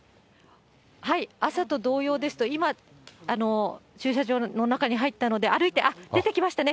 朝と同様ですと、今、駐車場の中に入ったので、歩いて、あっ、出てきましたね。